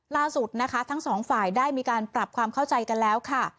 ล่าสุดนะคะทั้งสองฝ่ายได้มีการปรับความเข้าใจกันแล้วค่ะ